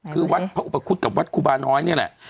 คือวัดพระอุปคุฎกับวัดครูบาน้อยนี่แหละ